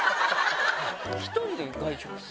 １人で外食する？